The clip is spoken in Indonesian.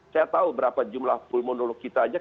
saya tahu berapa jumlah pulmonolog kita saja